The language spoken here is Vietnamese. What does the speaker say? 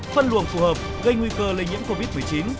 phân luồng phù hợp gây nguy cơ lây nhiễm covid một mươi chín